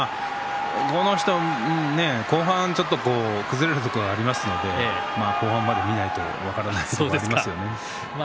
この人、後半ちょっと崩れるところがありますので後半まで見ないと分からないところがありますよね。